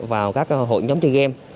vào các hội nhóm chơi game